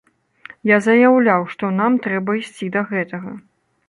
Я заяўляў, што нам трэба ісці да гэтага.